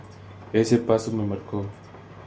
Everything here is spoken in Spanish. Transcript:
Ese paso me marcó.